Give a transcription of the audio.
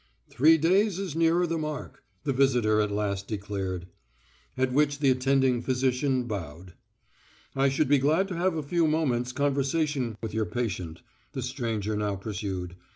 "Three days is nearer the mark," the visitor at last declared. At which the attending physician bowed. "I should be glad to have a few moments' conversation with your patient," the stranger now pursued.